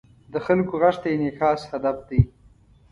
د خلکو غږ ته انعکاس هدف دی.